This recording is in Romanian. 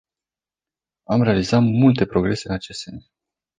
Am realizat multe progrese în acest sens.